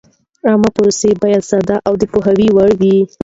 عامه پروسې باید ساده او د پوهېدو وړ وي.